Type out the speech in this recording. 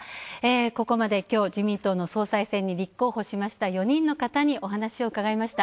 ここまできょう自民党の総裁選に立候補しました４人の方にお話を伺いました。